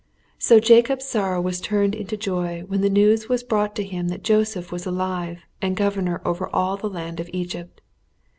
So Jacob's sorrow was turned into joy when the news was brought to him that Joseph was alive and was governor over all the land of Egypt.